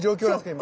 今。